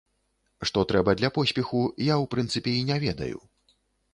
Што трэба для поспеху, я, у прынцыпе, і не ведаю.